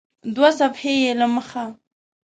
دوه صفحې یې له مخه